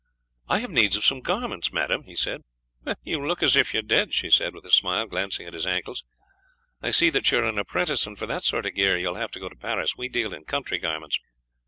"I have need of some garments, madame," he said. "You look as if you did," she said with a smile, glancing at his ankles. "I see that you are an apprentice, and for that sort of gear you will have to go to Paris; we deal in country garments."